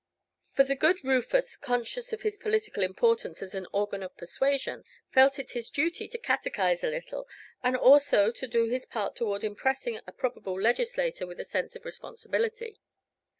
For the good Rufus, conscious of his political importance as an organ of persuasion, felt it his duty to catechise a little, and also to do his part toward impressing a probable legislator with a sense of his responsibility.